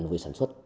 về sản xuất